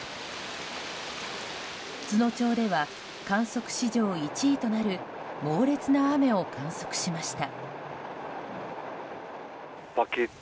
都農町では、観測史上１位となる猛烈な雨を観測しました。